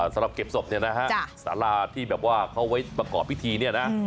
สำหรับเก็บศพเนี่ยนะฮะสาราที่แบบว่าเขาไว้ประกอบพิธีเนี่ยนะ